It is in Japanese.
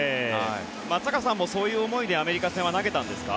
松坂さんもそういう思いでアメリカ戦は投げたんですか？